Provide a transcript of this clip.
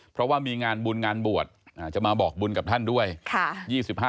เพราะว่ามีงานบุญงานบวชจะมาบอกบุญกับท่านด้วย